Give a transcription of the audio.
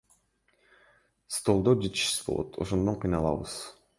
Столдор жетишсиз болот, ошондон кыйналабыз.